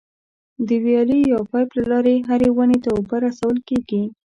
د ویالې یا پایپ له لارې هرې ونې ته اوبه رسول کېږي.